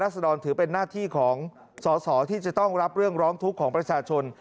สอสอที่จะต้องรับเรื่องร้องทุกข์ของประชาชน